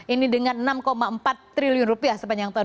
ini dengan enam empat triliun rupiah sepanjang tahun dua ribu